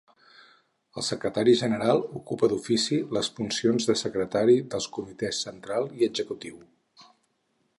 El Secretari General ocupa d'ofici les funcions de secretari dels Comitès Central i Executiu.